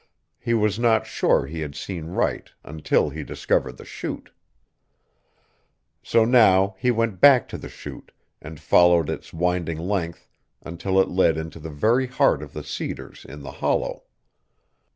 He was not sure he had seen right until he discovered the chute. So now he went back to the chute and followed its winding length until it led into the very heart of the cedars in the hollow.